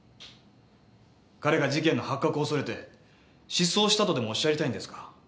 彼が事件の発覚を恐れて失踪したとでもおっしゃりたいんですか？